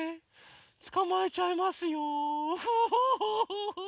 つかまえちゃいますよフフフフフ！